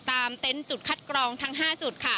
เต็นต์จุดคัดกรองทั้ง๕จุดค่ะ